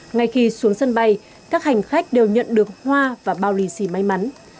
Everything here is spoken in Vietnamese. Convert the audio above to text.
ngay khi xuống sân bay các hành khách đều nhận được hoa và bao lì xì may mắn